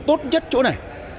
tốt nhất chỗ này